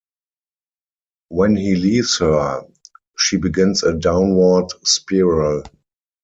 When he leaves her, she begins a downward spiral.